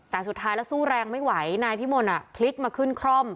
แต่สุดท้ายแล้วสู้แรงไม่ไหวนายพิมลพลิกมาขึ้นคร่อม